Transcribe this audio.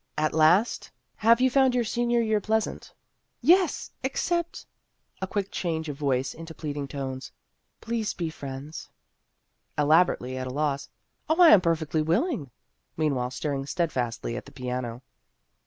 At last, " Have you found your senior year pleasant ?"" Yes, except " a quick change of voice into pleading tones " please be friends." Elaborately at a loss, " Oh, I am per fectly willing !" meanwhile staring stead fastly at the piano.